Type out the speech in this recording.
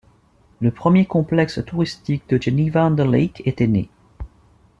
Le premier complexe touristique de Geneva-on-the-Lake était né.